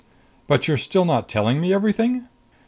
"But you're still not telling me everything?"